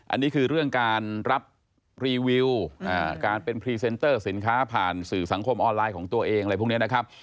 อันนี้คือเรื่องการรับรีวิวการเป็นพรีเซนเตอร์สินค้าผ่านสื่อสังคมออนไลน์ของตัวเองอะไรพวกนี้นะครับ